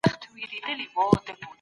هر څه چي د مینې په ګټه وي خوندور دي.